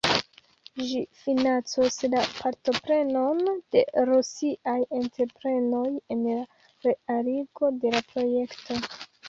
Ĝi financos la partoprenon de rusiaj entreprenoj en la realigo de la projekto.